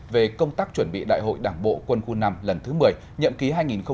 về công tác chuẩn bị đại hội đảng bộ quân khu năm lần thứ một mươi nhậm ký hai nghìn hai mươi hai nghìn hai mươi năm